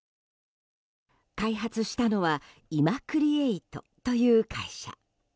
開発したのはイマクリエイトという会社。